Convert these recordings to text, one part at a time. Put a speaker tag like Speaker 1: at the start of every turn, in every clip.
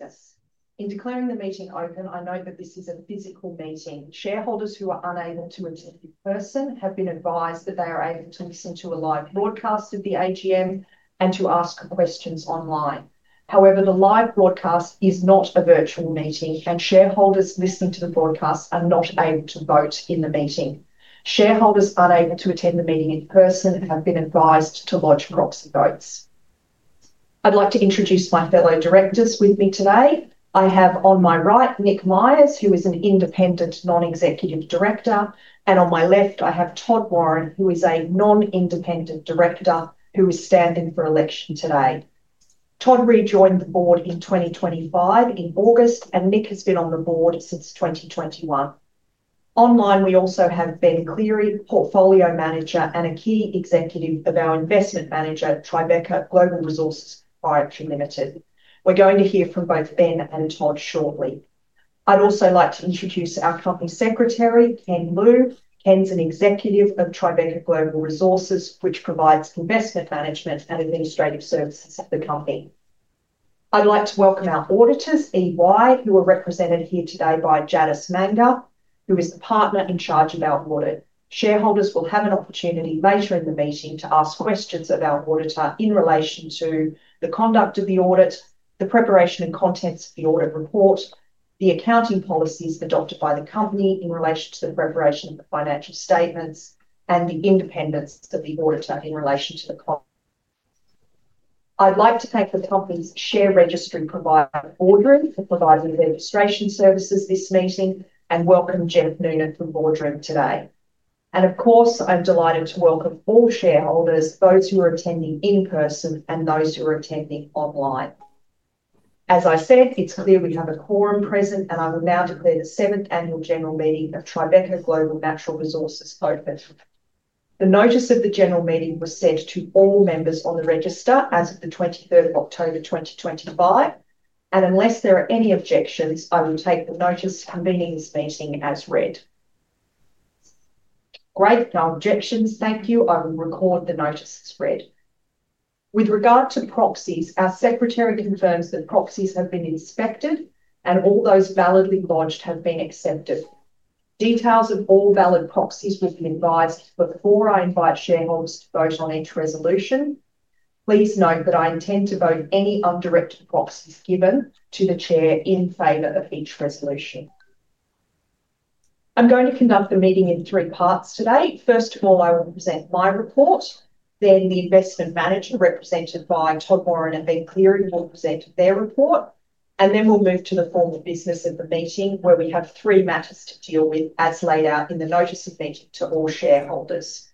Speaker 1: Yes. In declaring the meeting open, I note that this is a physical meeting. Shareholders who are unable to attend in person have been advised that they are able to listen to a live broadcast of the AGM and to ask questions online. However, the live broadcast is not a virtual meeting, and shareholders listening to the broadcast are not able to vote in the meeting. Shareholders unable to attend the meeting in person have been advised to lodge proxy votes. I'd like to introduce my fellow directors with me today. I have on my right Nick Myers, who is an independent non-executive director, and on my left I have Todd Warren, who is a non-independent director who is standing for election today. Todd rejoined the board in August 2023, and Nick has been on the board since 2021. Online we also have Ben Cleary, Portfolio Manager, and a key executive of our Investment Manager, Tribeca Global Natural Resources Limited. We're going to hear from both Ben and Todd shortly. I'd also like to introduce our Company Secretary, Ken Lew. Ken's an executive of Tribeca Global Natural Resources, which provides investment management and administrative services for the company. I'd like to welcome our Auditors, EY, who are represented here today by Jadis Manga, who is the partner in charge of our audit. Shareholders will have an opportunity later in the meeting to ask questions of our auditor in relation to the conduct of the audit, the preparation and contents of the audit report, the accounting policies adopted by the company in relation to the preparation of the financial statements, and the independence of the auditor in relation to the. I'd like to thank the Company's Share Registry Provider, Boardroom, for providing registration services this meeting and welcome Jeff Noonan from Boardroom today. Of course, I'm delighted to welcome all shareholders, those who are attending in person and those who are attending online. As I said, it's clear we have a quorum present, and I will now declare the seventh annual general meeting of Tribeca Global Natural Resources open. The notice of the general meeting was sent to all members on the register as of the 23rd of October 2025, and unless there are any objections, I will take the notice convening this meeting as read. Great. No objections. Thank you. I will record the notice as read. With regard to proxies, our Secretary confirms that proxies have been inspected and all those validly lodged have been accepted. Details of all valid proxies will be advised before I invite shareholders to vote on each resolution. Please note that I intend to vote any undirected proxies given to the Chair in favor of each resolution. I'm going to conduct the meeting in three parts today. First of all, I will present my report. The Investment Manager, represented by Todd Warren and Ben Cleary, will present their report. We will move to the form of business of the meeting, where we have three matters to deal with, as laid out in the notice of meeting to all shareholders.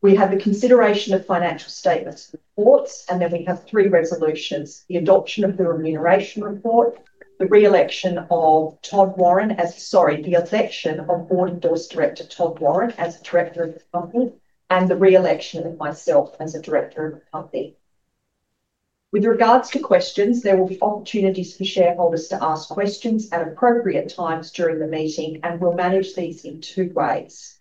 Speaker 1: We have the consideration of financial statements and reports, and then we have three resolutions: the adoption of the remuneration report, the re-election of Todd Warren as, sorry, the election of Board Endorsed Director Todd Warren as Director of the Company, and the re-election of myself as a Director of the Company. With regards to questions, there will be opportunities for shareholders to ask questions at appropriate times during the meeting, and we'll manage these in two ways.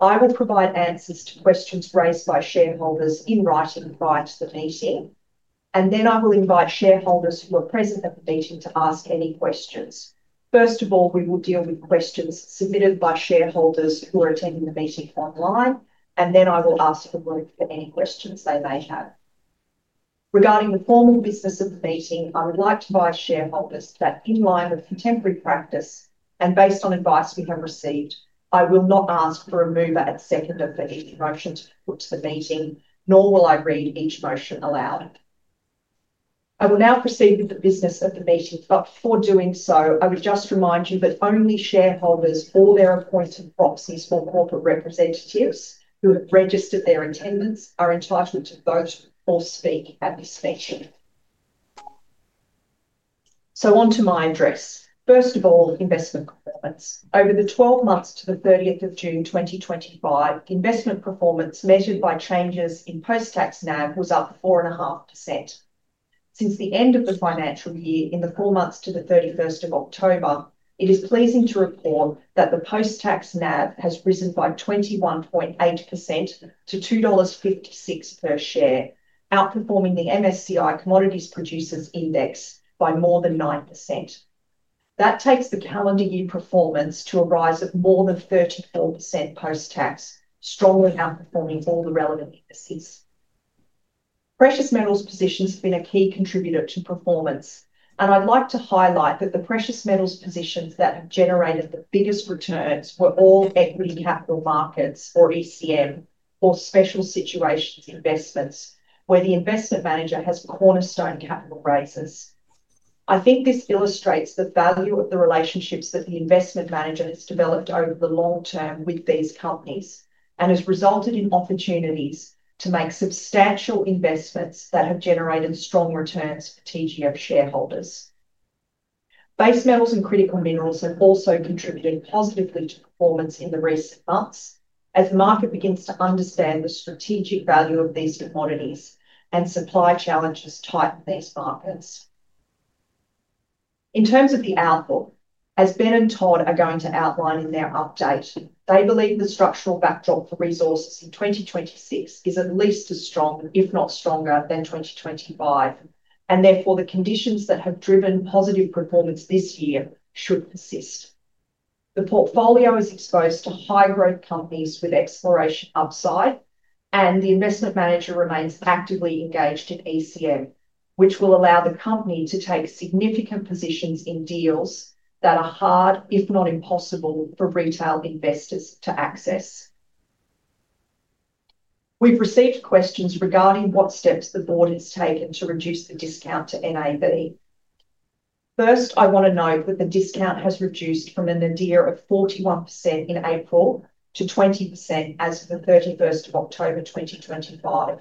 Speaker 1: I will provide answers to questions raised by shareholders in writing prior to the meeting, and then I will invite shareholders who are present at the meeting to ask any questions. First of all, we will deal with questions submitted by shareholders who are attending the meeting online, and then I will ask for word for any questions they may have. Regarding the formal business of the meeting, I would like to advise shareholders that in line with contemporary practice and based on advice we have received, I will not ask for a mover at second of any motion to put to the meeting, nor will I read each motion aloud. I will now proceed with the business of the meeting, but before doing so, I would just remind you that only shareholders or their appointed proxies or corporate representatives who have registered their attendance are entitled to vote or speak at this meeting. On to my address. First of all, investment performance. Over the 12 months to the 30th of June 2025, investment performance measured by changes in post-tax NAV was up 4.5%. Since the end of the financial year, in the four months to the 31st of October, it is pleasing to report that the post-tax NAV has risen by 21.8% to 2.56 dollars per share, outperforming the MSCI Commodities Producers Index by more than 9%. That takes the calendar year performance to a rise of more than 34% post-tax, strongly outperforming all the relevant indices. Precious metals positions have been a key contributor to performance, and I'd like to highlight that the precious metals positions that have generated the biggest returns were all equity capital markets, or ECM, or special situations investments, where the Investment Manager has cornerstone capital raises. I think this illustrates the value of the relationships that the Investment Manager has developed over the long term with these companies and has resulted in opportunities to make substantial investments that have generated strong returns for TGF shareholders. Base metals and critical minerals have also contributed positively to performance in the recent months as the market begins to understand the strategic value of these commodities and supply challenges tighten these markets. In terms of the outlook, as Ben and Todd are going to outline in their update, they believe the structural backdrop for resources in 2026 is at least as strong, if not stronger, than 2025, and therefore the conditions that have driven positive performance this year should persist. The portfolio is exposed to high-growth companies with exploration upside, and the Investment Manager remains actively engaged in ECM, which will allow the Company to take significant positions in deals that are hard, if not impossible, for retail investors to access. We've received questions regarding what steps the Board has taken to reduce the discount to NAV. First, I want to note that the discount has reduced from a nadir of 41% in April to 20% as of the 31st of October 2025,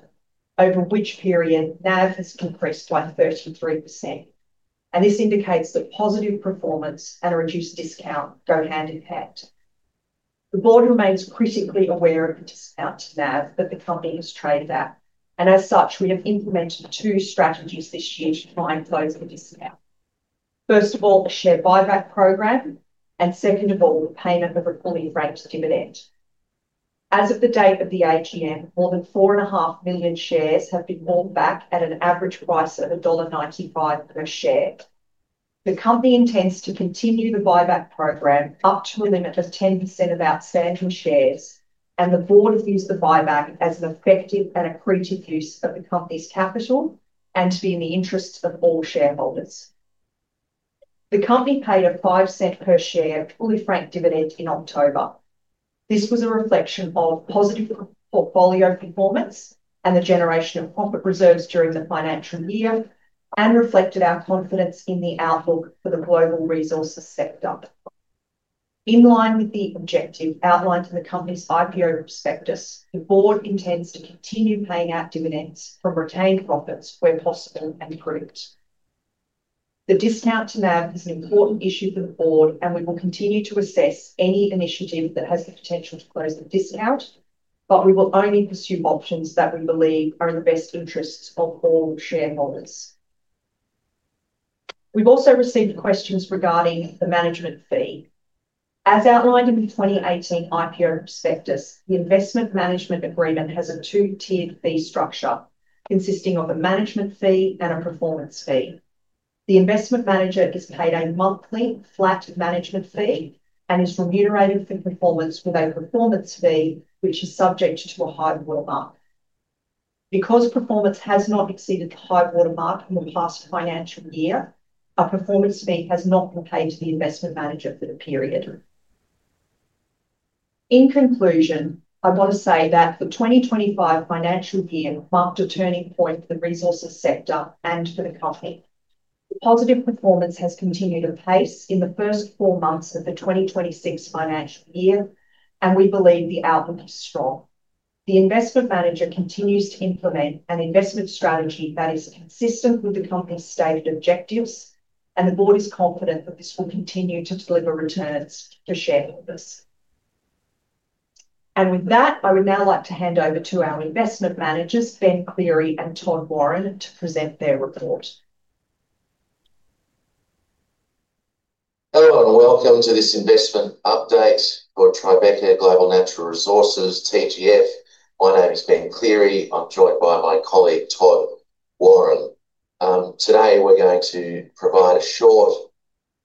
Speaker 1: over which period NAV has compressed by 33%. This indicates that positive performance and a reduced discount go hand in hand. The Board remains critically aware of the discount to NAV that the Company has traded at, and as such, we have implemented two strategies this year to try and close the discount. First of all, the share buyback program, and second of all, the payment of a fully franked dividend. As of the date of the AGM, more than 4.5 million shares have been bought back at an average price of dollar 1.95 per share. The Company intends to continue the buyback program up to a limit of 10% of outstanding shares, and the Board views the buyback as an effective and accretive use of the Company's capital and to be in the interest of all shareholders. The Company paid a 0.05 per share fully franked dividend in October. This was a reflection of positive portfolio performance and the generation of profit reserves during the financial year and reflected our confidence in the outlook for the global resources sector. In line with the objective outlined in the Company's IPO prospectus, the Board intends to continue paying out dividends from retained profits where possible and approved. The discount to NAV is an important issue for the Board, and we will continue to assess any initiative that has the potential to close the discount, but we will only pursue options that we believe are in the best interests of all shareholders. We've also received questions regarding the management fee. As outlined in the 2018 IPO prospectus, the Investment Management Agreement has a two-tiered fee structure consisting of a management fee and a performance fee. The Investment Manager is paid a monthly flat management fee and is remunerated for performance with a performance fee which is subject to a high watermark. Because performance has not exceeded the high watermark in the past financial year, a performance fee has not been paid to the Investment Manager for the period. In conclusion, I want to say that the 2025 financial year marked a turning point for the resources sector and for the Company. Positive performance has continued apace in the first four months of the 2026 financial year, and we believe the outlook is strong. The Investment Manager continues to implement an investment strategy that is consistent with the Company's stated objectives, and the Board is confident that this will continue to deliver returns for shareholders. I would now like to hand over to our Investment Managers, Ben Cleary and Todd Warren, to present their report.
Speaker 2: Hello and welcome to this investment update for Tribeca Global Natural Resources TGF. My name is Ben Cleary. I'm joined by my colleague, Todd Warren. Today we're going to provide a short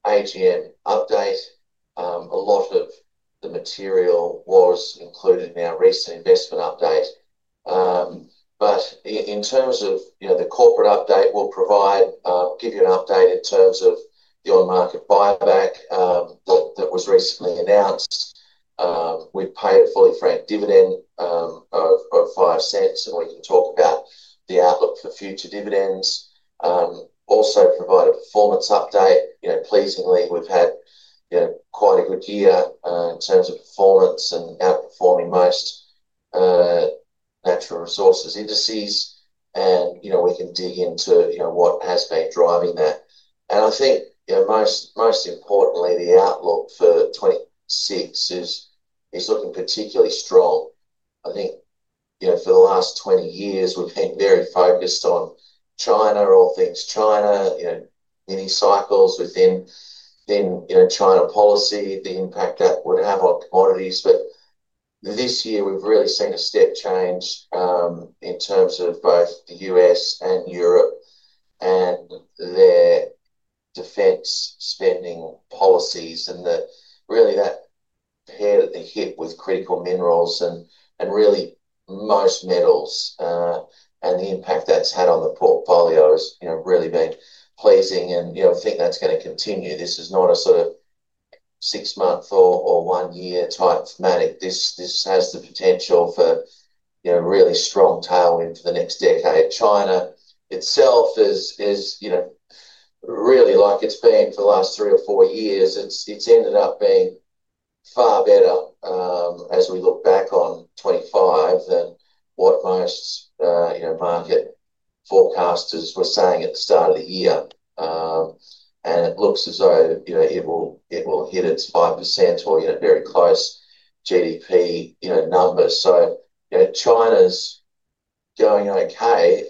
Speaker 2: AGM update. A lot of the material was included in our recent investment update, but in terms of the corporate update, we'll give you an update in terms of the on-market buyback that was recently announced. We've paid a fully franked dividend of 0.05, and we can talk about the outlook for future dividends. Also provide a performance update. Pleasingly, we've had quite a good year in terms of performance and outperforming most natural resources indices, and we can dig into what has been driving that. I think most importantly, the outlook for 2026 is looking particularly strong. I think for the last 20 years, we've been very focused on China, all things China, mini cycles within China policy, the impact that would have on commodities. This year, we've really seen a step change in terms of both the US and Europe and their defense spending policies and really that hit with critical minerals and really most metals and the impact that's had on the portfolio has really been pleasing. I think that's going to continue. This is not a sort of six-month or one-year type thematic. This has the potential for really strong tailwind for the next decade. China itself is really like it's been for the last three or four years. It's ended up being far better as we look back on 2025 than what most market forecasters were saying at the start of the year. It looks as though it will hit its 5% or very close GDP numbers. China's going okay,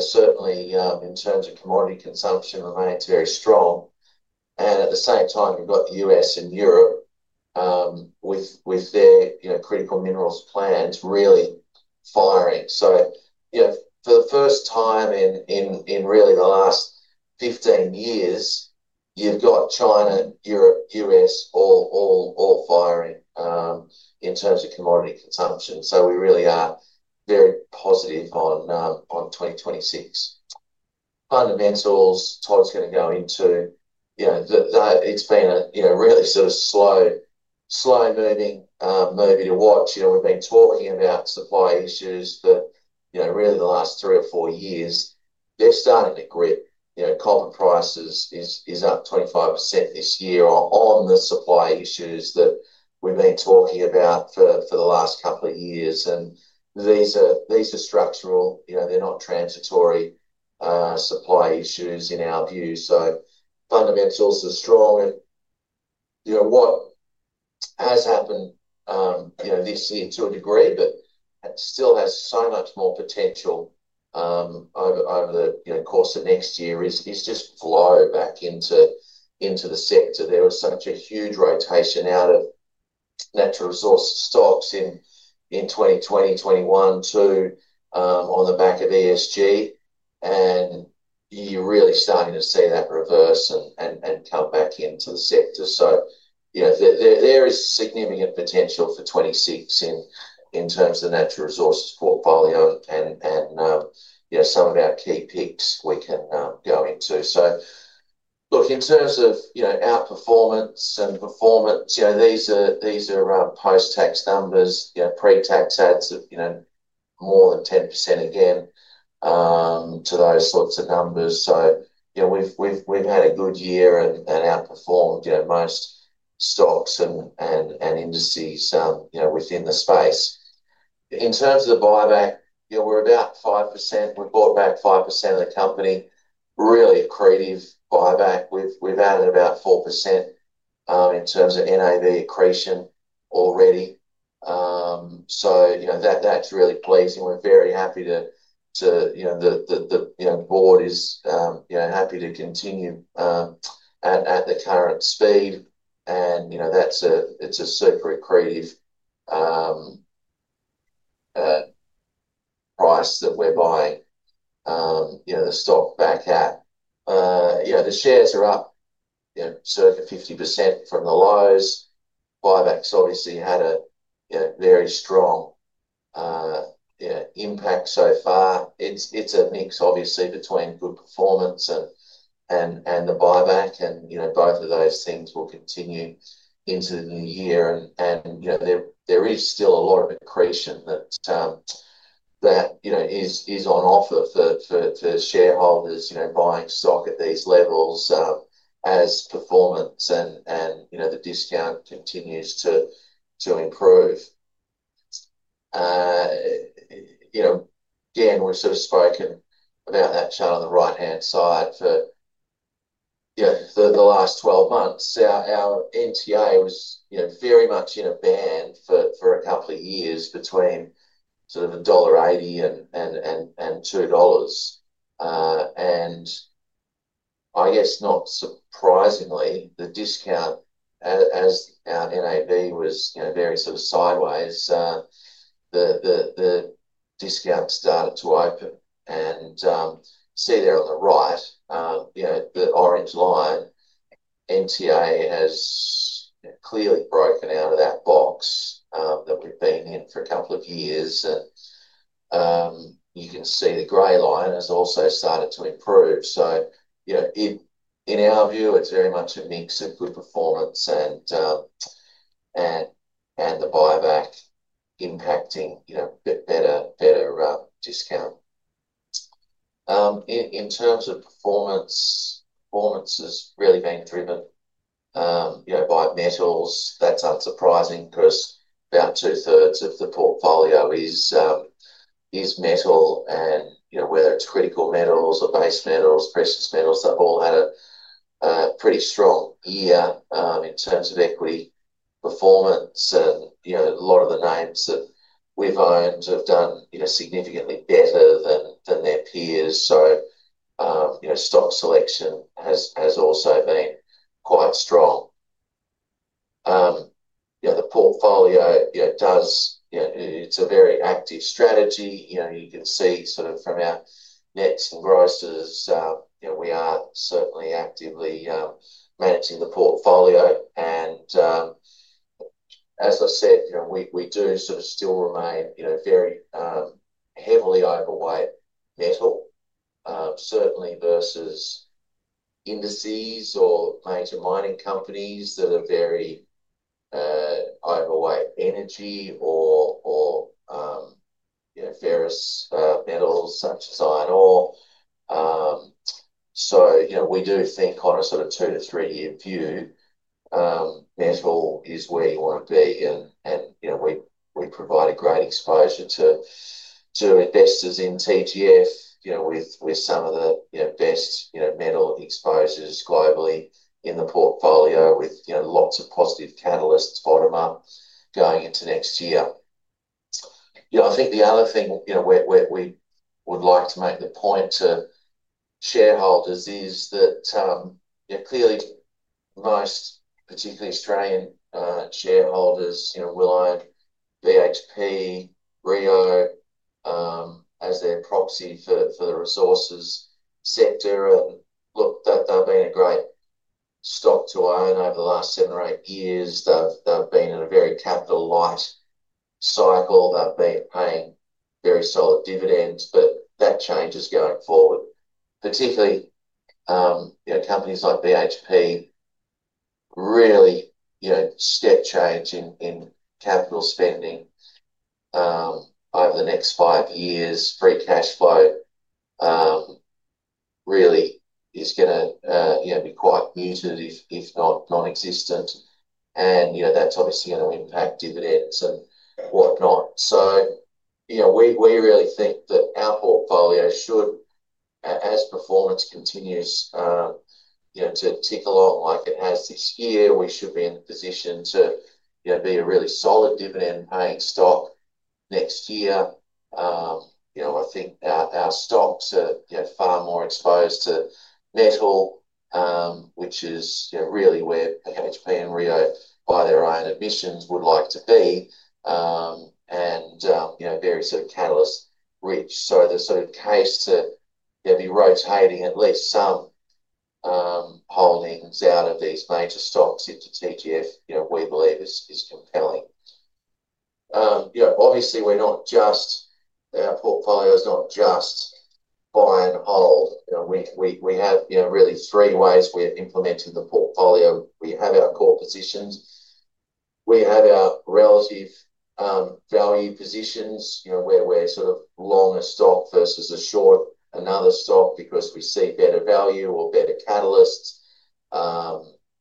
Speaker 2: certainly in terms of commodity consumption remains very strong. At the same time, you've got the US and Europe with their critical minerals plans really firing. For the first time in really the last 15 years, you've got China, Europe, US all firing in terms of commodity consumption. We really are very positive on 2026. Fundamentals, Todd's going to go into, it's been a really sort of slow-moving movie to watch. We've been talking about supply issues that really the last three or four years, they're starting to grip. Copper prices is up 25% this year on the supply issues that we've been talking about for the last couple of years. These are structural. They're not transitory supply issues in our view. Fundamentals are strong. What has happened this year to a degree, but still has so much more potential over the course of next year is just flow back into the sector. There was such a huge rotation out of natural resource stocks in 2020, 2021, too on the back of ESG. You're really starting to see that reverse and come back into the sector. There is significant potential for 2026 in terms of the natural resources portfolio and some of our key picks we can go into. In terms of outperformance and performance, these are post-tax numbers. Pre-tax adds more than 10% again to those sorts of numbers. We've had a good year and outperformed most stocks and indices within the space. In terms of the buyback, we're about 5%. We bought back 5% of the company. Really accretive buyback. We've added about 4% in terms of NAV accretion already. That is really pleasing. We are very happy, the Board is happy to continue at the current speed. It is a super accretive price that we are buying the stock back at. The shares are up circa 50% from the lows. Buybacks obviously had a very strong impact so far. It is a mix, obviously, between good performance and the buyback. Both of those things will continue into the new year. There is still a lot of accretion that is on offer for shareholders buying stock at these levels as performance and the discount continues to improve. Again, we have sort of spoken about that chart on the right-hand side for the last 12 months. Our NTA was very much in a band for a couple of years between dollar 1.80 and 2 dollars. I guess not surprisingly, the discount, as our NAV was very sort of sideways, the discount started to open. You see there on the right, the orange line, NTA has clearly broken out of that box that we have been in for a couple of years. You can see the gray line has also started to improve. In our view, it is very much a mix of good performance and the buyback impacting a bit better discount. In terms of performance, performance has really been driven by metals. That is unsurprising because about two-thirds of the portfolio is metal. Whether it is critical metals or base metals, precious metals, they have all had a pretty strong year in terms of equity performance. A lot of the names that we have owned have done significantly better than their peers. Stock selection has also been quite strong. The portfolio does, it is a very active strategy. You can see sort of from our nets and grosses, we are certainly actively managing the portfolio. As I said, we do sort of still remain very heavily overweight metal, certainly versus indices or major mining companies that are very overweight energy or various metals such as iron ore. We do think on a sort of two- to three-year view, metal is where you want to be. We provide a great exposure to investors in TGF with some of the best metal exposures globally in the portfolio with lots of positive catalysts bottom up going into next year. I think the other thing we would like to make the point to shareholders is that clearly most, particularly Australian shareholders, will own BHP, RIO as their proxy for the resources sector. Look, they've been a great stock to own over the last seven or eight years. They've been in a very capital light cycle. They've been paying very solid dividends. That change is going forward, particularly companies like BHP, really step change in capital spending over the next five years. Free cash flow really is going to be quite muted, if not nonexistent. That is obviously going to impact dividends and whatnot. We really think that our portfolio should, as performance continues to tick along like it has this year, we should be in the position to be a really solid dividend-paying stock next year. I think our stocks are far more exposed to metal, which is really where BHP and RIO, by their own admissions, would like to be, and very sort of catalyst-rich. The sort of case to be rotating at least some holdings out of these major stocks into TGF, we believe, is compelling. Obviously, our portfolio is not just buy and hold. We have really three ways we're implementing the portfolio. We have our core positions. We have our relative value positions where we're sort of long a stock versus a short another stock because we see better value or better catalysts.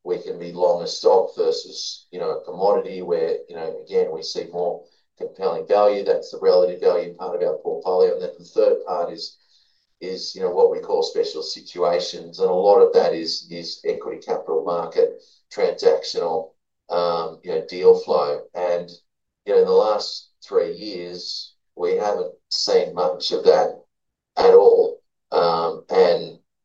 Speaker 2: We can be long a stock versus a commodity where, again, we see more compelling value. That's the relative value part of our portfolio. The third part is what we call special situations. A lot of that is equity capital market transactional deal flow. In the last three years, we haven't seen much of that at all.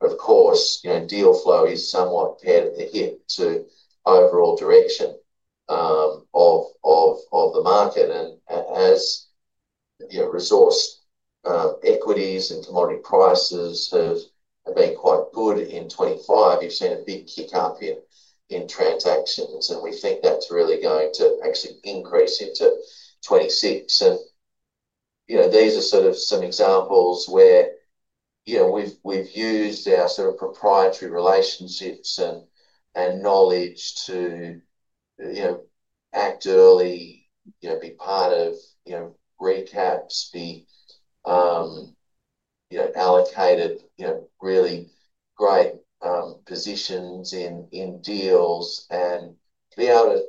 Speaker 2: Of course, deal flow is somewhat paired at the hip to overall direction of the market. As resource equities and commodity prices have been quite good in 2025, you've seen a big kick up in transactions. We think that's really going to actually increase into 2026. These are sort of some examples where we've used our sort of proprietary relationships and knowledge to act early, be part of recaps, be allocated really great positions in deals, and be able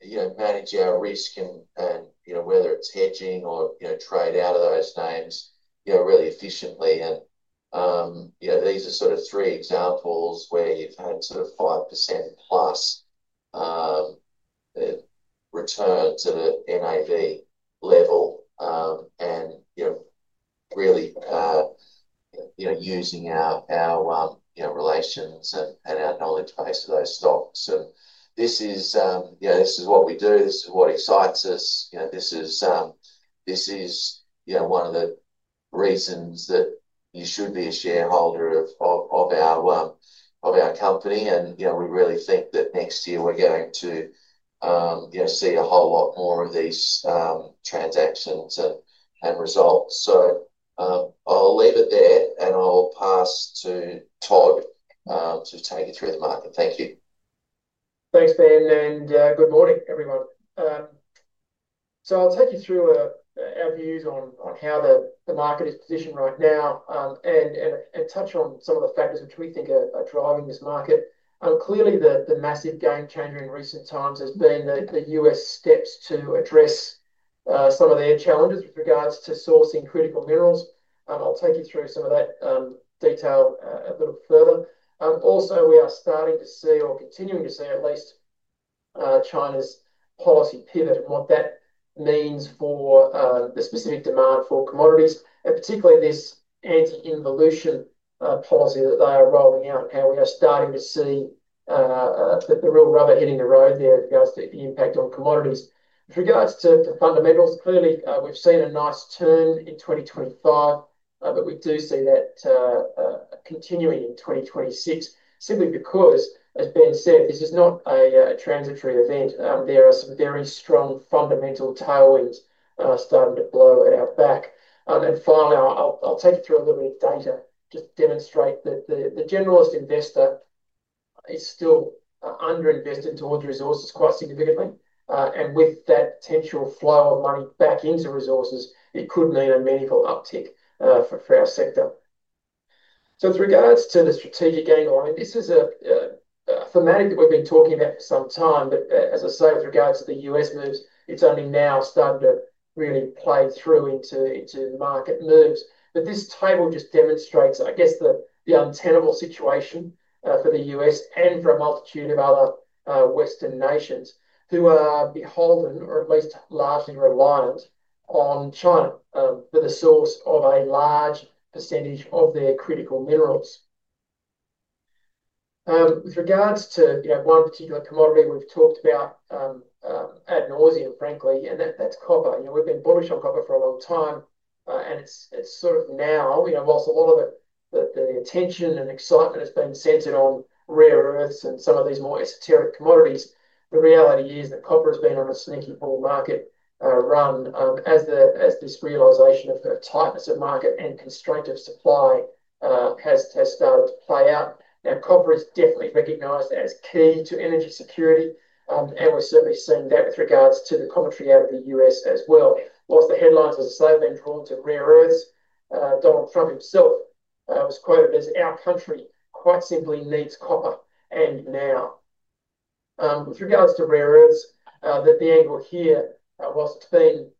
Speaker 2: to manage our risk, whether it's hedging or trade out of those names really efficiently. These are sort of three examples where you've had sort of 5%+ return to the NAV level and really using our relations and our knowledge base to those stocks. This is what we do. This is what excites us. This is one of the reasons that you should be a shareholder of our company. We really think that next year we're going to see a whole lot more of these transactions and results. I'll leave it there, and I'll pass to Todd to take you through the market. Thank you.
Speaker 3: Thanks, Ben. Good morning, everyone. I'll take you through our views on how the market is positioned right now and touch on some of the factors which we think are driving this market. Clearly, the massive game changer in recent times has been the US steps to address some of their challenges with regards to sourcing critical minerals. I'll take you through some of that detail a little further. Also, we are starting to see or continuing to see at least China's policy pivot and what that means for the specific demand for commodities, and particularly this anti-involution policy that they are rolling out and how we are starting to see the real rubber hitting the road there with regards to the impact on commodities. With regards to fundamentals, clearly, we've seen a nice turn in 2025, but we do see that continuing in 2026 simply because, as Ben said, this is not a transitory event. There are some very strong fundamental tailwinds starting to blow at our back. Finally, I'll take you through a little bit of data just to demonstrate that the generalist investor is still underinvested towards resources quite significantly. With that potential flow of money back into resources, it could mean a meaningful uptick for our sector. With regards to the strategic game line, this is a thematic that we've been talking about for some time. As I say, with regards to the US moves, it's only now starting to really play through into market moves. This table just demonstrates, I guess, the untenable situation for the US and for a multitude of other Western nations who are beholden or at least largely reliant on China for the source of a large percentage of their critical minerals. With regards to one particular commodity, we've talked about ad nauseam, frankly, and that's copper. We've been bullish on copper for a long time. It's sort of now, whilst a lot of the attention and excitement has been centered on rare earths and some of these more esoteric commodities, the reality is that copper has been on a sneaky bull market run as this realization of the tightness of market and constraint of supply has started to play out. Now, copper is definitely recognized as key to energy security. We're certainly seeing that with regards to the commentary out of the US as well. Whilst the headlines, as I say, have been drawn to rare earths, Donald Trump himself was quoted as, "Our country quite simply needs copper and now." With regards to rare earths, the angle here, whilst it's been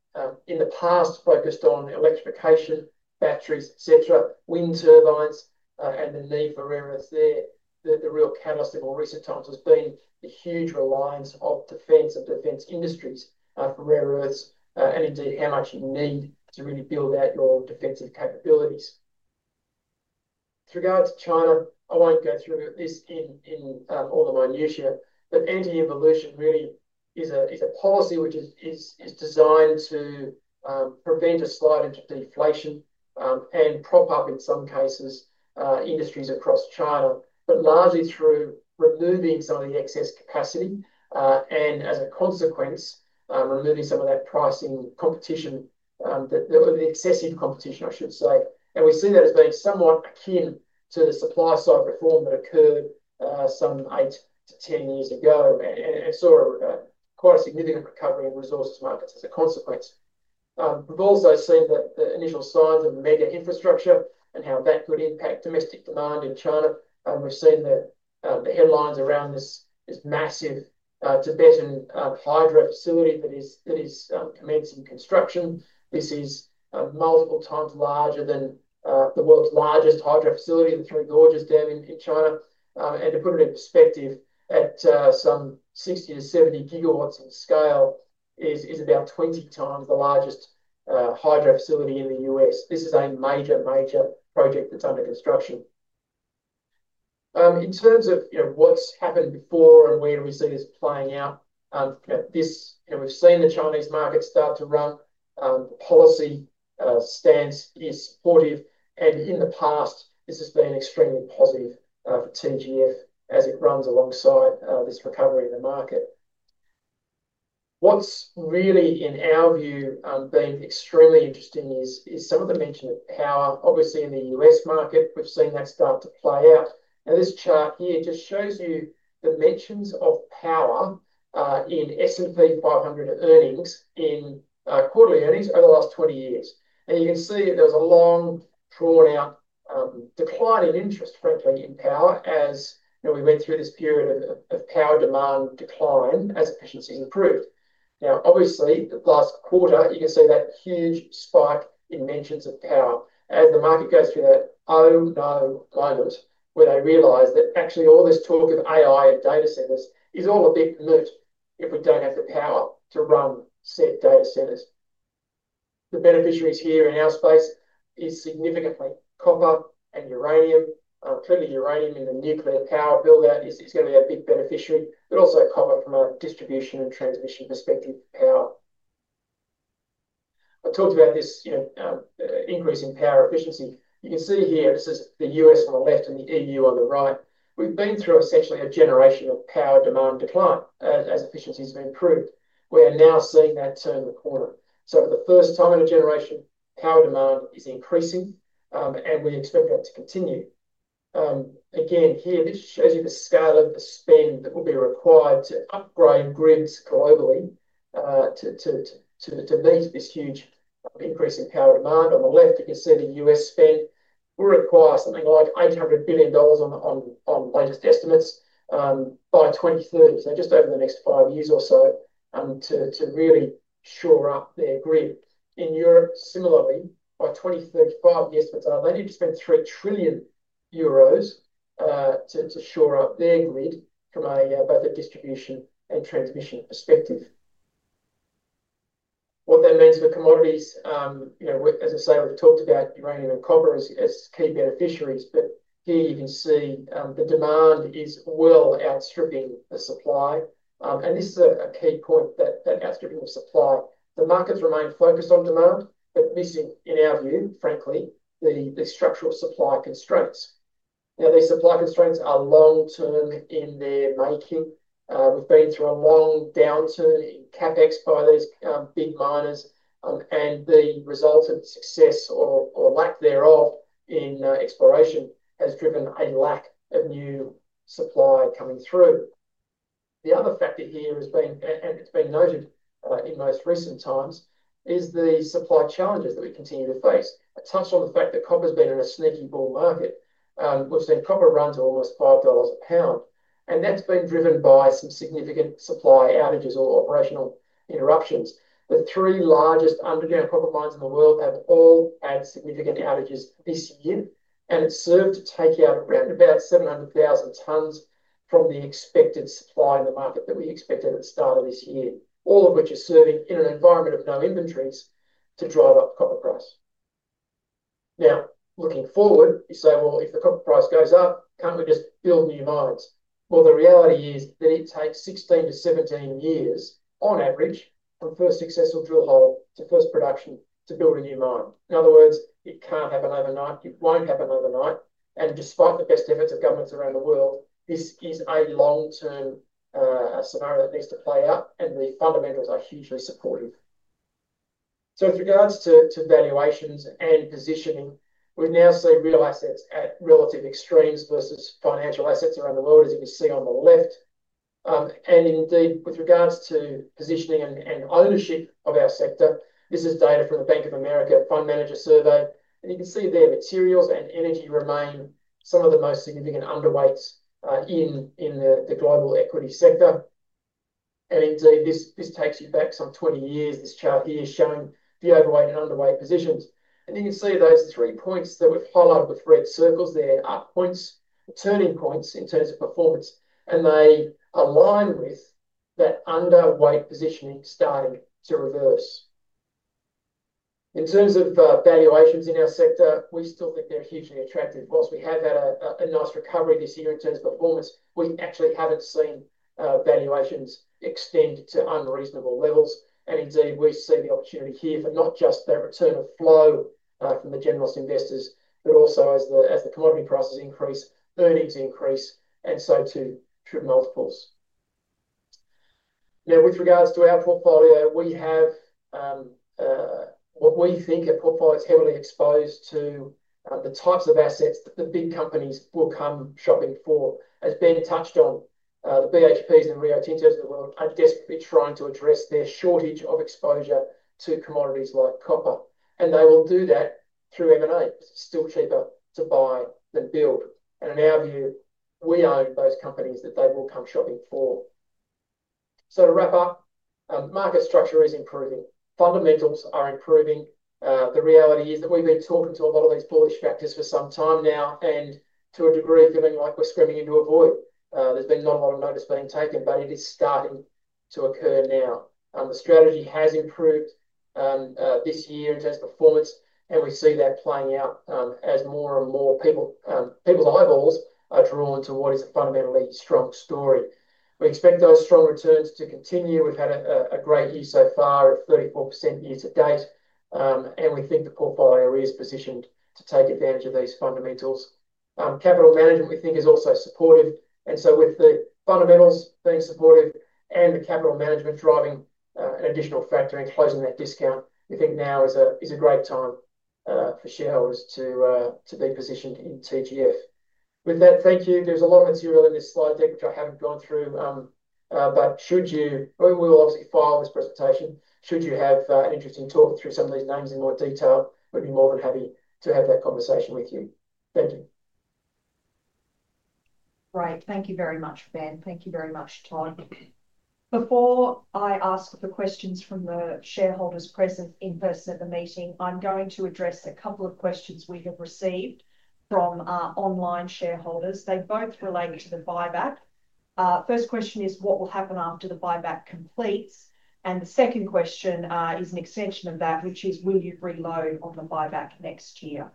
Speaker 3: in the past focused on electrification, batteries, etc., wind turbines, and the need for rare earths there, the real catalyst in more recent times has been the huge reliance of defense and defense industries for rare earths and indeed how much you need to really build out your defensive capabilities. With regards to China, I won't go through this in all the minutia, but anti-involution really is a policy which is designed to prevent a slide into deflation and prop up, in some cases, industries across China, but largely through removing some of the excess capacity and, as a consequence, removing some of that pricing competition, the excessive competition, I should say. We see that as being somewhat akin to the supply-side reform that occurred some 8 to 10 years ago and saw quite a significant recovery in resources markets as a consequence. We have also seen the initial signs of mega infrastructure and how that could impact domestic demand in China. We have seen the headlines around this massive Tibetan hydro facility that is commencing construction. This is multiple times larger than the world's largest hydro facility, the Three Gorges Dam in China. To put it in perspective, at some 60-70 gigawatts in scale, it is about 20 times the largest hydro facility in the US. This is a major, major project that is under construction. In terms of what has happened before and where we see this playing out, we have seen the Chinese market start to run. The policy stance is supportive. In the past, this has been extremely positive for TGF as it runs alongside this recovery in the market. What is really, in our view, extremely interesting is some of the mention of power. Obviously, in the US market, we have seen that start to play out. This chart here just shows you the mentions of power in S&P 500 earnings in quarterly earnings over the last 20 years. You can see there was a long, drawn-out decline in interest, frankly, in power as we went through this period of power demand decline as efficiencies improved. Now, obviously, last quarter, you can see that huge spike in mentions of power as the market goes through that oh-no moment where they realize that actually all this talk of AI and data centers is all a big moot if we do not have the power to run said data centers. The beneficiaries here in our space are significantly copper and uranium. Clearly, uranium in the nuclear power buildout is going to be a big beneficiary, but also copper from a distribution and transmission perspective power. I talked about this increase in power efficiency. You can see here, this is the US on the left and the EU on the right. We've been through essentially a generation of power demand decline as efficiencies have improved. We are now seeing that turn the corner. For the first time in a generation, power demand is increasing, and we expect that to continue. Again, here, this shows you the scale of the spend that will be required to upgrade grids globally to meet this huge increase in power demand. On the left, you can see the US spend will require something like $800 billion on latest estimates by 2030, just over the next five years or so to really shore up their grid. In Europe, similarly, by 2035, the estimates are they need to spend 3 trillion euros to shore up their grid from both a distribution and transmission perspective. What that means for commodities, as I say, we have talked about uranium and copper as key beneficiaries, but here you can see the demand is well outstripping the supply. This is a key point, that outstripping the supply. The markets remain focused on demand, but missing, in our view, frankly, the structural supply constraints. Now, these supply constraints are long-term in their making. We've been through a long downturn in CapEx by these big miners, and the resultant success or lack thereof in exploration has driven a lack of new supply coming through. The other factor here has been, and it's been noted in most recent times, is the supply challenges that we continue to face. I touched on the fact that copper has been in a sneaky bull market. We've seen copper run to almost $5 a pound, and that's been driven by some significant supply outages or operational interruptions. The three largest underground copper mines in the world have all had significant outages this year, and it's served to take out around about 700,000 tons from the expected supply in the market that we expected at the start of this year, all of which are serving in an environment of no inventories to drive up copper price. Now, looking forward, you say, "Well, if the copper price goes up, can't we just build new mines?" The reality is that it takes 16-17 years, on average, from first successful drill hole to first production to build a new mine. In other words, it cannot happen overnight. It will not happen overnight. Despite the best efforts of governments around the world, this is a long-term scenario that needs to play out, and the fundamentals are hugely supportive. With regards to valuations and positioning, we now see real assets at relative extremes versus financial assets around the world, as you can see on the left. Indeed, with regards to positioning and ownership of our sector, this is data from the Bank of America Fund Manager Survey. You can see their materials and energy remain some of the most significant underweights in the global equity sector. Indeed, this takes you back some 20 years. This chart here is showing the overweight and underweight positions. You can see those three points that we've highlighted with red circles there are points, turning points in terms of performance, and they align with that underweight positioning starting to reverse. In terms of valuations in our sector, we still think they're hugely attractive. Whilst we have had a nice recovery this year in terms of performance, we actually haven't seen valuations extend to unreasonable levels. Indeed, we see the opportunity here for not just the return of flow from the generalist investors, but also as the commodity prices increase, earnings increase, and so too through multiples. Now, with regards to our portfolio, we have what we think a portfolio is heavily exposed to the types of assets that the big companies will come shopping for. As Ben touched on, the BHPs and Rio Tintos of the world are desperately trying to address their shortage of exposure to commodities like copper. They will do that through M&A. It is still cheaper to buy than build. In our view, we own those companies that they will come shopping for. To wrap up, market structure is improving. Fundamentals are improving. The reality is that we have been talking to a lot of these bullish factors for some time now and to a degree feeling like we are screaming into a void. There has been not a lot of notice being taken, but it is starting to occur now. The strategy has improved this year in terms of performance, and we see that playing out as more and more people's eyeballs are drawn to what is a fundamentally strong story. We expect those strong returns to continue. We have had a great year so far of 34% year to date, and we think the portfolio is positioned to take advantage of these fundamentals. Capital management, we think, is also supportive. With the fundamentals being supportive and the capital management driving an additional factor in closing that discount, we think now is a great time for shareholders to be positioned in TGF. With that, thank you. There is a lot of material in this slide deck, which I have not gone through, but we will obviously file this presentation. Should you have an interesting talk through some of these names in more detail, we'd be more than happy to have that conversation with you. Thank you.
Speaker 1: Great. Thank you very much, Ben. Thank you very much, Todd. Before I ask for questions from the shareholders present in person at the meeting, I'm going to address a couple of questions we have received from our online shareholders. They both relate to the buyback. The first question is, what will happen after the buyback completes? The second question is an extension of that, which is, will you reload on the buyback next year?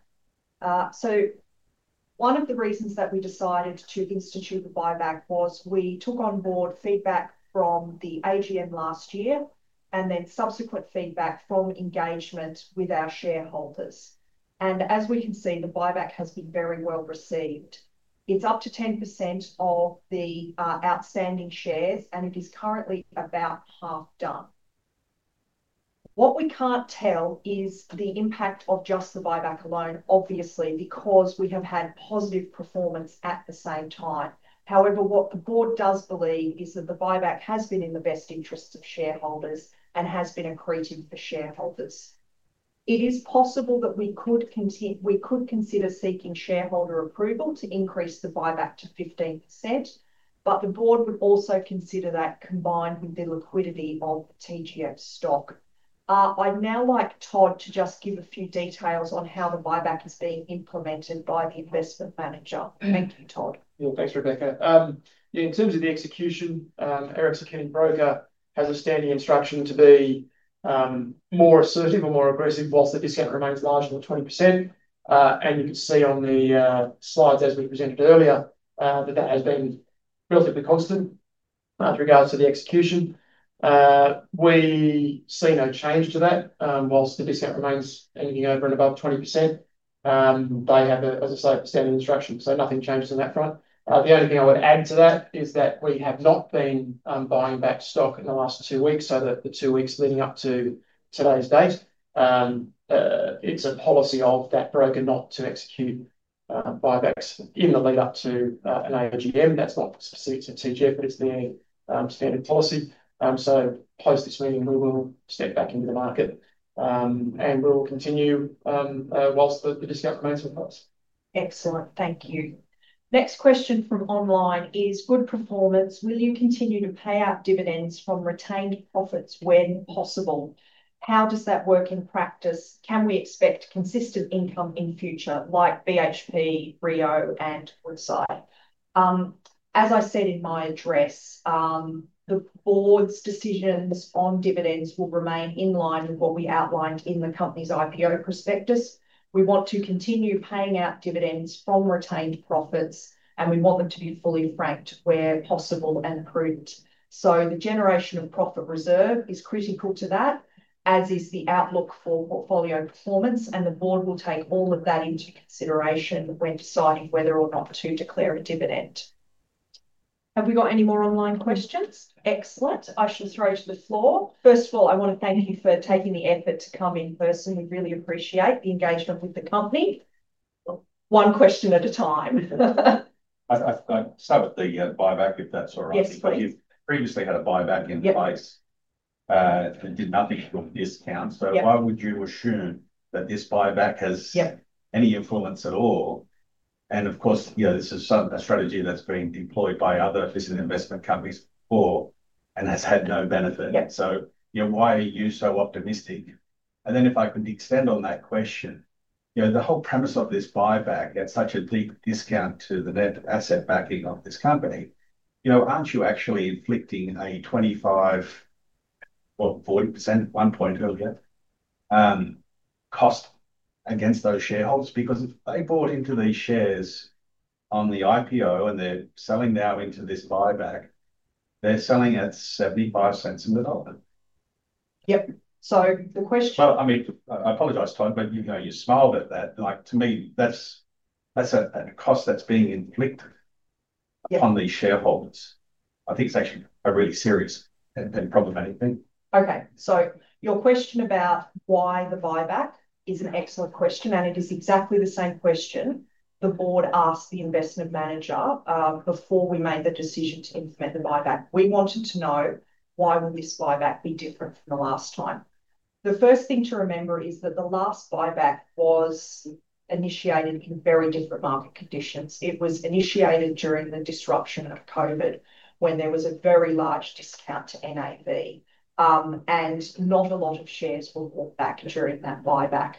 Speaker 1: One of the reasons that we decided to institute the buyback was we took on board feedback from the AGM last year and then subsequent feedback from engagement with our shareholders. As we can see, the buyback has been very well received. It's up to 10% of the outstanding shares, and it is currently about half done. What we can't tell is the impact of just the buyback alone, obviously, because we have had positive performance at the same time. However, what the board does believe is that the buyback has been in the best interests of shareholders and has been accretive for shareholders. It is possible that we could consider seeking shareholder approval to increase the buyback to 15%, but the board would also consider that combined with the liquidity of the TGF stock. I'd now like Todd to just give a few details on how the buyback is being implemented by the investment manager. Thank you, Todd.
Speaker 3: Yeah, thanks, Rebecca. Yeah, in terms of the execution, Erickson Kenny Broker has a standing instruction to be more assertive or more aggressive whilst the discount remains larger than 20%. You can see on the slides, as we presented earlier, that that has been relatively constant with regards to the execution. We see no change to that whilst the discount remains anything over and above 20%. They have, as I say, a standing instruction, so nothing changes on that front. The only thing I would add to that is that we have not been buying back stock in the last two weeks, so the two weeks leading up to today's date. It is a policy of that broker not to execute buybacks in the lead-up to an AGM. That is not specific to TGF, but it is the standard policy. Post this meeting, we will step back into the market, and we will continue whilst the discount remains in place.
Speaker 1: Excellent. Thank you. Next question from online is, with performance, will you continue to pay out dividends from retained profits when possible? How does that work in practice? Can we expect consistent income in future, like BHP, Rio, and Woodside? As I said in my address, the board's decisions on dividends will remain in line with what we outlined in the company's IPO prospectus. We want to continue paying out dividends from retained profits, and we want them to be fully franked where possible and approved. The generation of profit reserve is critical to that, as is the outlook for portfolio performance, and the board will take all of that into consideration when deciding whether or not to declare a dividend. Have we got any more online questions? Excellent. I shall throw to the floor. First of all, I want to thank you for taking the effort to come in person. We really appreciate the engagement with the company. One question at a time. I've started the buyback, if that's all right. Yes, please. You have previously had a buyback in place and did nothing for the discount. Why would you assume that this buyback has any influence at all? This is a strategy that has been employed by other listed investment companies before and has had no benefit. Why are you so optimistic? If I could extend on that question, the whole premise of this buyback at such a deep discount to the net asset backing of this company, are you actually inflicting a 25% or 40% one point earlier cost against those shareholders? Because if they bought into these shares on the IPO and they are selling now into this buyback, they are selling at 0.75 in the dollar. Yep. The question. I mean, I apologize, Todd, but you smiled at that. To me, that's a cost that's being inflicted on these shareholders. I think it's actually a really serious and problematic thing. Okay. Your question about why the buyback is an excellent question, and it is exactly the same question the board asked the investment manager before we made the decision to implement the buyback. We wanted to know why would this buyback be different from the last time. The first thing to remember is that the last buyback was initiated in very different market conditions. It was initiated during the disruption of COVID when there was a very large discount to NAV, and not a lot of shares were bought back during that buyback.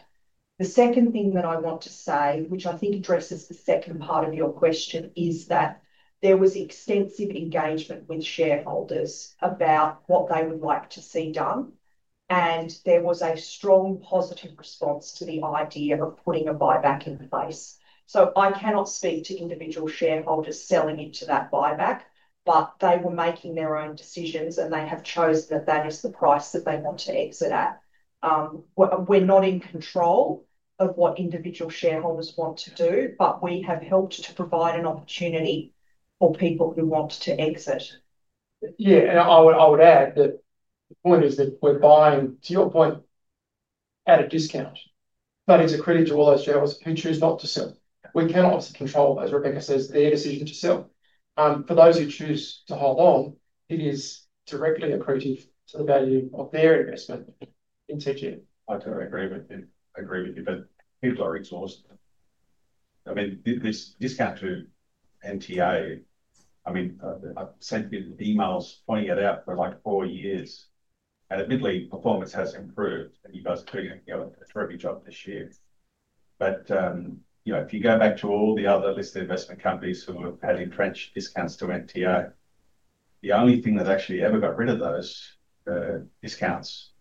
Speaker 1: The second thing that I want to say, which I think addresses the second part of your question, is that there was extensive engagement with shareholders about what they would like to see done, and there was a strong positive response to the idea of putting a buyback in place. I cannot speak to individual shareholders selling into that buyback, but they were making their own decisions, and they have chosen that that is the price that they want to exit at. We are not in control of what individual shareholders want to do, but we have helped to provide an opportunity for people who want to exit.
Speaker 3: Yeah. I would add that the point is that we're buying, to your point, at a discount, but it's accredited to all those shareholders who choose not to sell. We cannot obviously control, as Rebecca says, their decision to sell. For those who choose to hold on, it is directly accredited to the value of their investment in TGF. I totally agree with you. People are exhausted. I mean, this discount to NTA, I mean, I've sent you emails pointing it out for like four years, and admittedly, performance has improved, and you guys are doing a terrific job this year. If you go back to all the other listed investment companies who have had entrenched discounts to NTA, the only thing that actually ever got rid of those discounts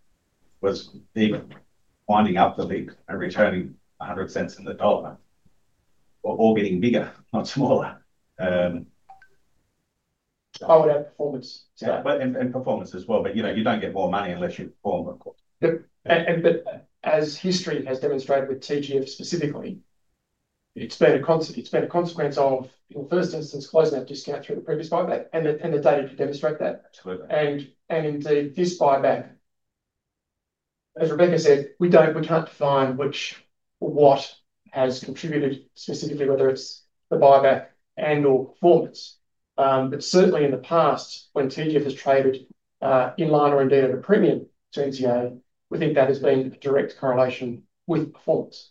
Speaker 3: was the winding up the LIC and returning 100 cents in the dollar, or getting bigger, not smaller. I would add performance. You do not get more money unless you perform, of course. Yep. As history has demonstrated with TGF specifically, it's been a consequence of, in the first instance, closing that discount through the previous buyback and the data to demonstrate that. Absolutely. Indeed, this buyback, as Rebecca said, we cannot define which or what has contributed specifically, whether it is the buyback and/or performance. Certainly in the past, when TGF has traded in line or indeed at a premium to NTA, we think that has been a direct correlation with performance.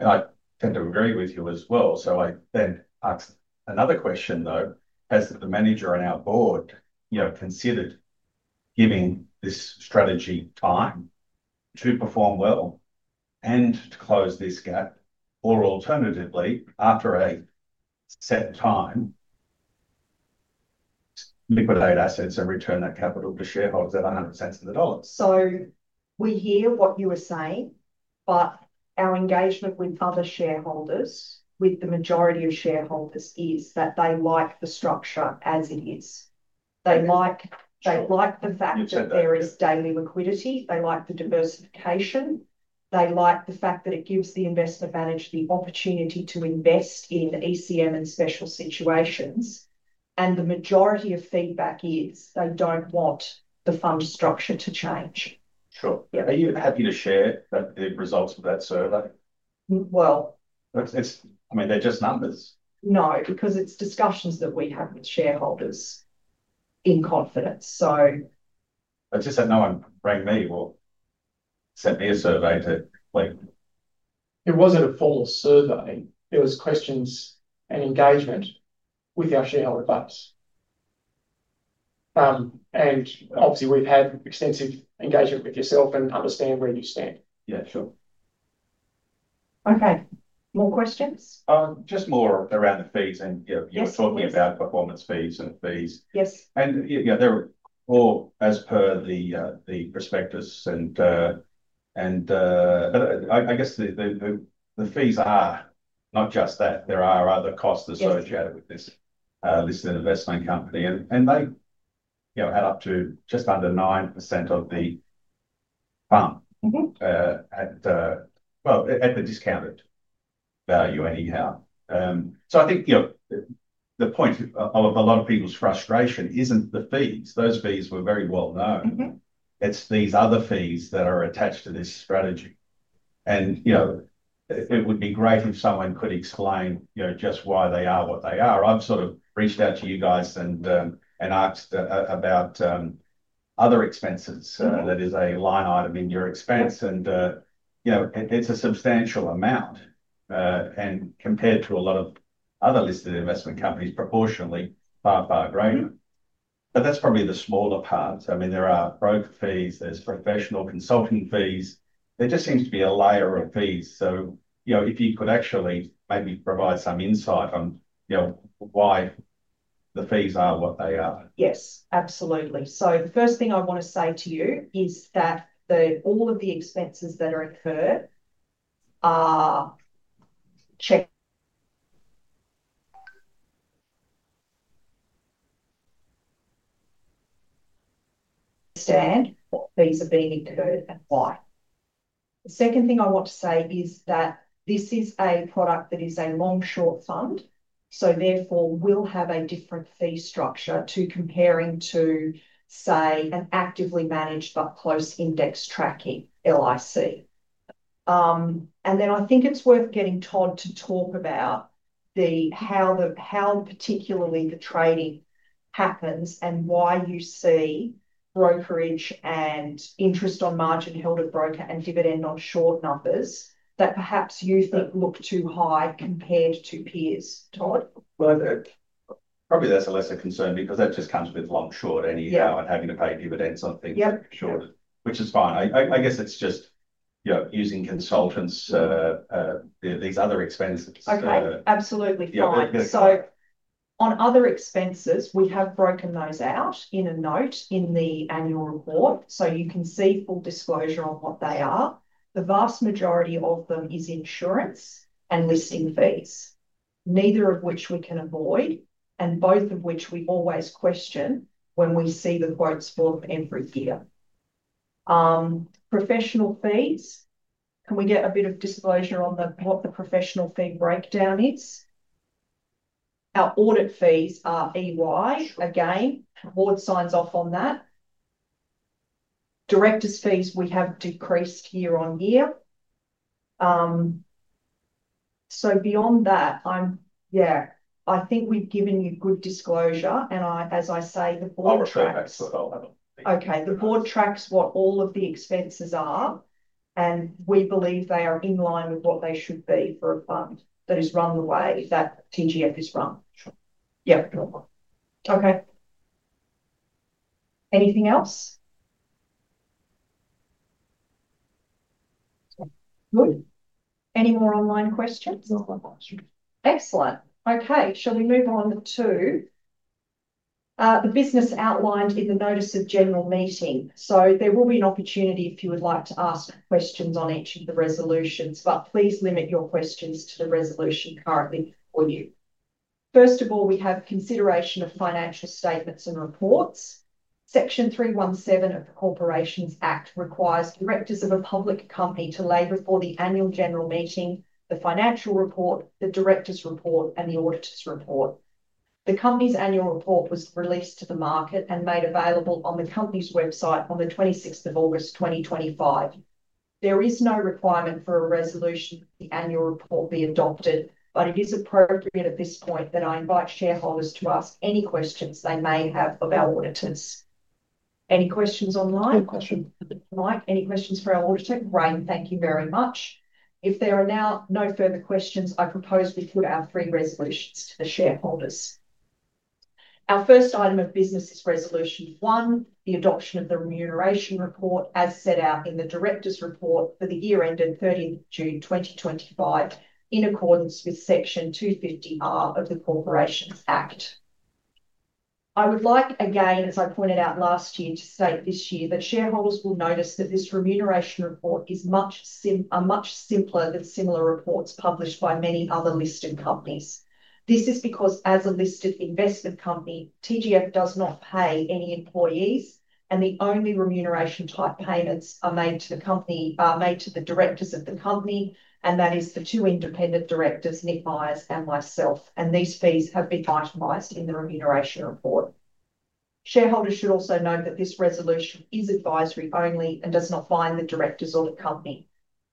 Speaker 3: I tend to agree with you as well. I then ask another question, though. Has the manager and our board considered giving this strategy time to perform well and to close this gap, or alternatively, after a set time, liquidate assets and return that capital to shareholders at 100 cents in the dollar?
Speaker 1: We hear what you were saying, but our engagement with other shareholders, with the majority of shareholders, is that they like the structure as it is. They like the fact that there is daily liquidity. They like the diversification. They like the fact that it gives the investment manager the opportunity to invest in ECM and special situations. The majority of feedback is they do not want the fund structure to change. Sure. Are you happy to share the results of that survey? Well. It's, I mean, they're just numbers. No, because it's discussions that we have with shareholders in confidence, so. I just said no and rang me or sent me a survey to.
Speaker 3: It wasn't a formal survey. It was questions and engagement with our shareholder folks. Obviously, we've had extensive engagement with yourself and understand where you stand. Yeah, sure.
Speaker 1: Okay. More questions? Just more around the fees. You were talking about performance fees and fees. Yes. They're all as per the prospectus. I guess the fees are not just that. There are other costs associated with this listed investment company. They add up to just under 9% of the fund at, at the discounted value anyhow. I think the point of a lot of people's frustration isn't the fees. Those fees were very well known. It's these other fees that are attached to this strategy. It would be great if someone could explain just why they are what they are. I've sort of reached out to you guys and asked about other expenses. That is a line item in your expense. It's a substantial amount compared to a lot of other listed investment companies, proportionally far, far greater. That's probably the smaller parts. I mean, there are broker fees. There's professional consulting fees. There just seems to be a layer of fees. If you could actually maybe provide some insight on why the fees are what they are. Yes, absolutely. The first thing I want to say to you is that all of the expenses that are incurred are checked. Understand what fees are being incurred and why. The second thing I want to say is that this is a product that is a long-short fund. Therefore, we'll have a different fee structure compared to, say, an actively managed but close index tracking LIC. I think it's worth getting Todd to talk about how particularly the trading happens and why you see brokerage and interest on margin held at broker and dividend on short numbers that perhaps you think look too high compared to peers. Todd? Probably that's a lesser concern because that just comes with long-short anyhow and having to pay dividends on things short, which is fine. I guess it's just using consultants, these other expenses. Okay. Absolutely fine. On other expenses, we have broken those out in a note in the annual report. You can see full disclosure on what they are. The vast majority of them is insurance and listing fees, neither of which we can avoid, and both of which we always question when we see the quotes for every year. Professional fees, can we get a bit of disclosure on what the professional fee breakdown is? Our audit fees are EY. Again, board signs off on that. Director's fees, we have decreased year on year. Beyond that, I think we've given you good disclosure. As I say, the board tracks. I'll try to export all of them. Okay. The board tracks what all of the expenses are, and we believe they are in line with what they should be for a fund that is run the way that TGF is run. Sure. Yep. Okay. Anything else? Good. Any more online questions? Excellent. Okay. Shall we move on to the business outlined in the notice of general meeting? There will be an opportunity if you would like to ask questions on each of the resolutions, but please limit your questions to the resolution currently before you. First of all, we have consideration of financial statements and reports. Section 317 of the Corporations Act requires directors of a public company to lay before the annual general meeting the financial report, the directors' report, and the auditor's report. The company's annual report was released to the market and made available on the company's website on August 26, 2025. There is no requirement for a resolution of the annual report to be adopted, but it is appropriate at this point that I invite shareholders to ask any questions they may have of our auditors. Any questions online?
Speaker 3: No questions.
Speaker 1: All right. Any questions for our auditor? Great. Thank you very much. If there are now no further questions, I propose we put our three resolutions to the shareholders. Our first item of business is Resolution 1, the adoption of the remuneration report as set out in the director's report for the year ended 30th of June, 2025, in accordance with Section 250(r) of the Corporations Act. I would like, again, as I pointed out last year, to state this year that shareholders will notice that this remuneration report is much simpler than similar reports published by many other listed companies. This is because, as a listed investment company, TGF does not pay any employees, and the only remuneration-type payments are made to the directors of the company, and that is the two independent directors, Nick Myers and myself. These fees have been itemized in the remuneration report. Shareholders should also note that this resolution is advisory only and does not bind the directors of the company.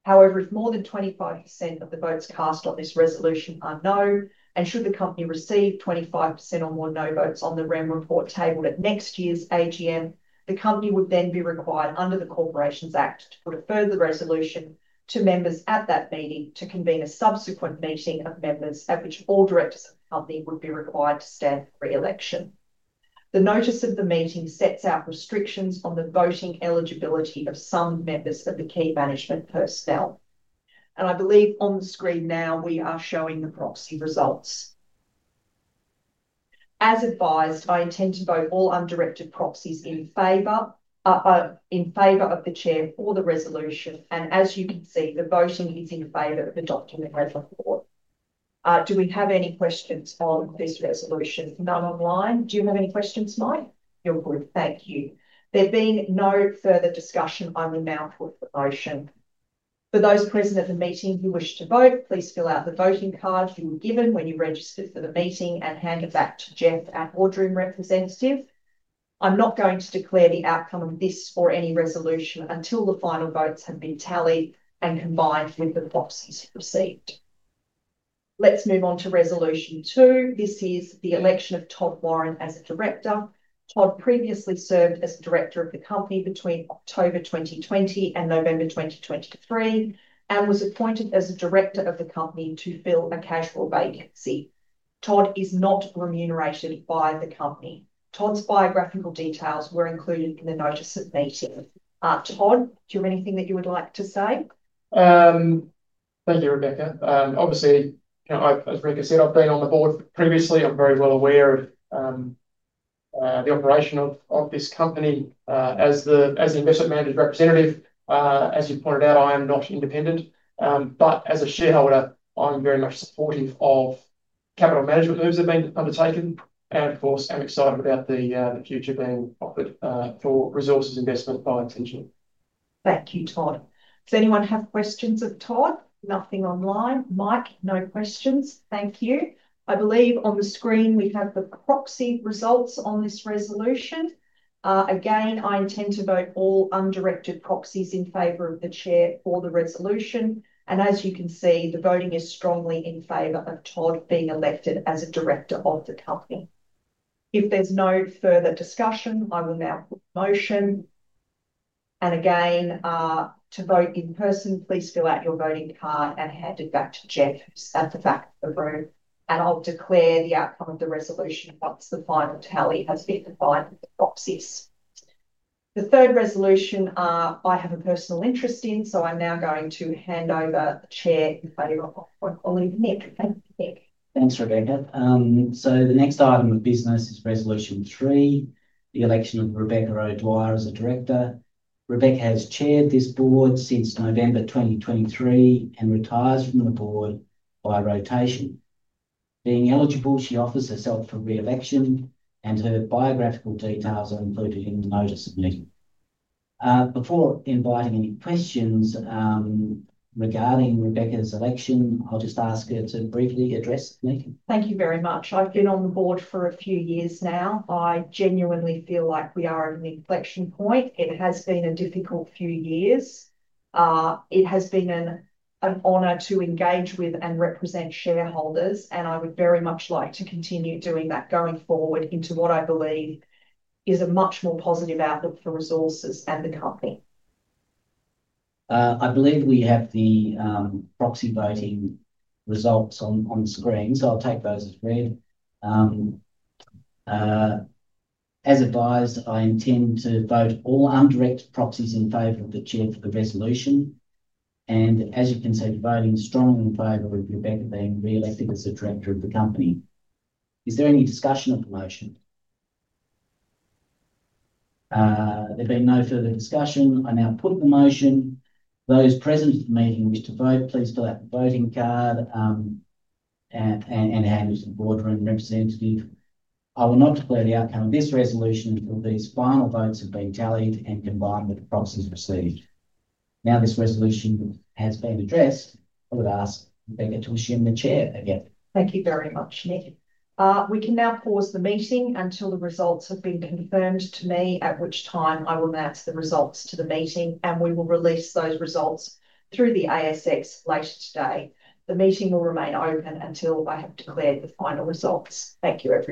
Speaker 1: However, if more than 25% of the votes cast on this resolution are no, and should the company receive 25% or more no votes on the REM report tabled at next year's AGM, the company would then be required under the Corporations Act to put a further resolution to members at that meeting to convene a subsequent meeting of members at which all directors of the company would be required to stand for re-election. The notice of the meeting sets out restrictions on the voting eligibility of some members of the key management personnel. I believe on the screen now we are showing the proxy results. As advised, I intend to vote all undirected proxies in favor of the chair for the resolution. As you can see, the voting is in favor of adopting the REM report. Do we have any questions on this resolution? None online. Do you have any questions, Mike? You're good. Thank you. There being no further discussion, I will now put the motion. For those present at the meeting who wish to vote, please fill out the voting card you were given when you registered for the meeting and hand it back to Jeff, our Boardroom representative. I am not going to declare the outcome of this or any resolution until the final votes have been tallied and combined with the proxies received. Let's move on to Resolution 2. This is the election of Todd Warren as a director. Todd previously served as director of the company between October 2020 and November 2023 and was appointed as a director of the company to fill a casual vacancy. Todd is not remunerated by the company. Todd's biographical details were included in the notice of meeting. Todd, do you have anything that you would like to say?
Speaker 3: Thank you, Rebecca. Obviously, as Rebecca said, I've been on the board previously. I'm very well aware of the operation of this company. As the investment manager representative, as you pointed out, I am not independent. As a shareholder, I'm very much supportive of capital management moves that have been undertaken. Of course, I'm excited about the future being offered for resources investment by TGF.
Speaker 1: Thank you, Todd. Does anyone have questions of Todd? Nothing online. Mike, no questions. Thank you. I believe on the screen we have the proxy results on this resolution. Again, I intend to vote all undirected proxies in favor of the chair for the resolution. As you can see, the voting is strongly in favor of Todd being elected as a director of the company. If there is no further discussion, I will now put the motion. To vote in person, please fill out your voting card and hand it back to Jeff at the back of the room. I will declare the outcome of the resolution once the final tally has been defined with the proxies. The third resolution I have a personal interest in, so I am now going to hand over the chair in favor of Todd Warren. I will leave Nick. Thank you, Nick.
Speaker 4: Thanks, Rebecca. The next item of business is Resolution 3, the election of Rebecca O'Dwyer as a director. Rebecca has chaired this board since November 2023 and retires from the board by rotation. Being eligible, she offers herself for re-election, and her biographical details are included in the notice of meeting. Before inviting any questions regarding Rebecca's election, I'll just ask her to briefly address me.
Speaker 1: Thank you very much. I've been on the board for a few years now. I genuinely feel like we are at an inflection point. It has been a difficult few years. It has been an honour to engage with and represent shareholders, and I would very much like to continue doing that going forward into what I believe is a much more positive outlook for resources and the company.
Speaker 4: I believe we have the proxy voting results on the screen, so I'll take those as read. As advised, I intend to vote all undirected proxies in favor of the chair for the resolution. As you can see, the voting is strongly in favor of Rebecca being re-elected as a director of the company. Is there any discussion of the motion? There being no further discussion, I now put the motion. Those present at the meeting who wish to vote, please fill out the voting card and hand it to the Boardroom representative. I will not declare the outcome of this resolution until these final votes have been tallied and combined with the proxies received. Now this resolution has been addressed. I would ask Rebecca to assume the chair again.
Speaker 1: Thank you very much, Nick. We can now pause the meeting until the results have been confirmed to me, at which time I will announce the results to the meeting, and we will release those results through the ASX later today. The meeting will remain open until I have declared the final results. Thank you.